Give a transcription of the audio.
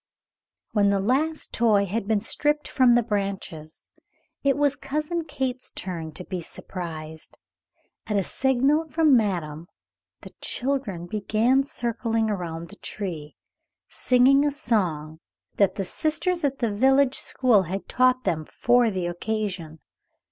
When the last toy had been stripped from the branches, it was Cousin Kate's turn to be surprised. At a signal from madame, the children began circling around the tree, singing a song that the sisters at the village school had taught them for the occasion.